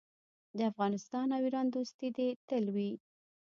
د افغانستان او ایران دوستي دې تل وي.